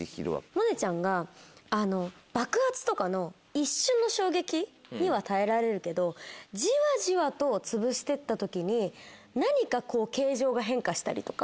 萌音ちゃんが爆発とかの一瞬の衝撃には耐えられるけどジワジワと潰してった時に何か形状が変化したりとか。